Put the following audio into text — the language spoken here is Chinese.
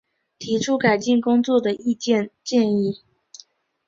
提出改进工作的意见建议